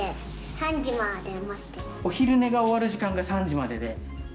お昼寝が終わる時間が３時まででうん。